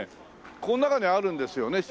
この中にあるんですよね？